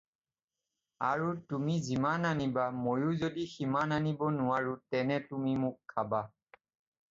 আৰু তুমি যিমান আনিবা ময়ো যদি সিমান আনিব নোৱাৰো তেনে তুমি মোক খাবা।